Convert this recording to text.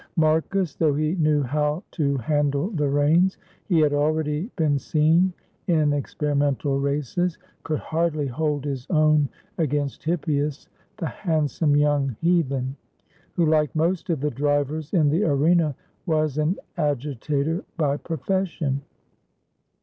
Marcus, though he knew how to handle the reins — he had al ready been seen in experimental races — could hardly hold his own against Hippias, the handsome young heathen, who, like most of the drivers in the arena, was an agitator by profession.